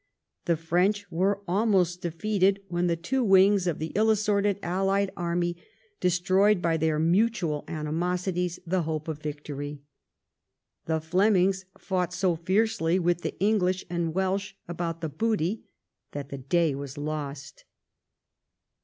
The French were almost defeated, when the two wings of the ill assorted allied army destroyed by their mutual animosities the hope of victory. The Flemings fought so fiercely with tlie English and Welsh about the booty that the day was lost.